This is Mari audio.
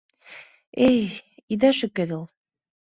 — Эй, ида шӱкедыл!